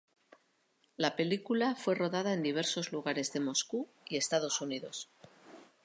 La película fue rodada en diversos lugares de Moscú y Estados Unidos.